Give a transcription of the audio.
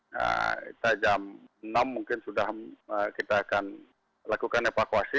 kita jam enam mungkin sudah kita akan lakukan evakuasi